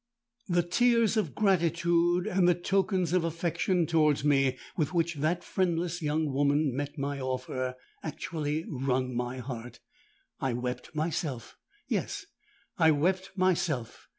The tears of gratitude and the tokens of affection towards me, with which that friendless young woman met my offer, actually wrung my heart. I wept myself—yes, I wept myself!